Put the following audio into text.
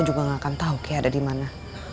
juga gak akan tau kay ada dimana